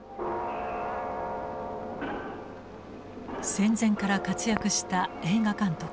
戦前から活躍した映画監督